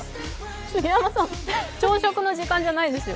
杉山さん、朝食の時間じゃないですよ。